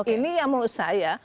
ini yang menurut saya